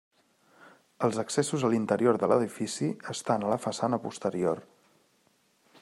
Els accessos a l'interior de l'edifici estan a la façana posterior.